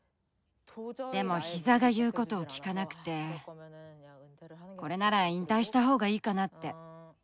でもひざが言うことを聞かなくてこれなら引退した方がいいかなって。